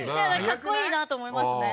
かっこいいなと思いますね